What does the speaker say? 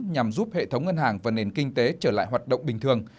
nhằm giúp hệ thống ngân hàng và nền kinh tế trở lại hoạt động bình thường